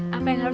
sampai jumpa kak